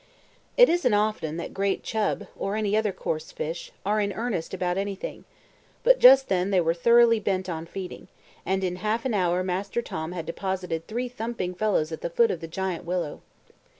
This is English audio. It isn't often that great chub, or any other coarse fish, are in earnest about anything; but just then they were thoroughly bent on feeding, and in half an hour Master Tom had deposited three thumping fellows at the foot of the giant willow.